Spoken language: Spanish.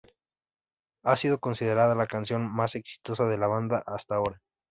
Ha sido considerada la canción más exitosa de la banda, hasta ahora.